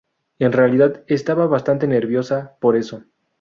En realidad estaba bastante nerviosa por eso.